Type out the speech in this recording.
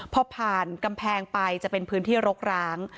พอผ่านกำแพงไปจะเป็นพื้นที่รกร้าง